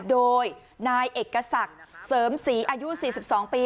โดยนายเอกสักเสริมศรีอายุสี่สิบสองปี